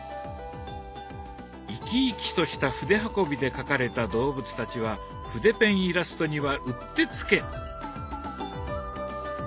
生き生きとした筆運びで描かれた動物たちは筆ペンイラストにはうってつけ！